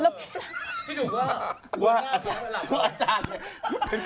พี่หนูก็ว่าว่าอาจารย์เนี่ย